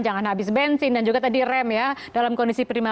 jangan habis bensin dan juga tadi rem ya dalam kondisi prima